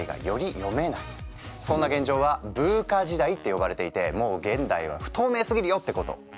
そんな現状はＶＵＣＡ時代って呼ばれていてもう現代は不透明すぎるよってこと。